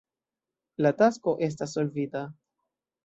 La tasko estas solvita.